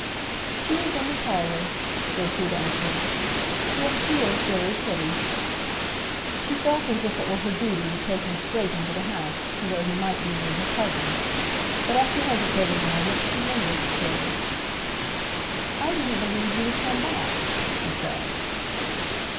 "She is in the parlor," Gertrude answered. "Yes, she is very pretty." She felt as if it were her duty to take him straight into the house, to where he might be near her cousin. But after hesitating a moment she lingered still. "I didn't believe you would come back," she said.